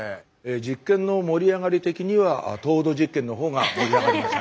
実験の盛り上がり的には糖度実験の方が盛り上がりました。